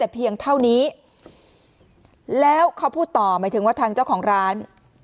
แต่เพียงเท่านี้แล้วเขาพูดต่อหมายถึงว่าทางเจ้าของร้าน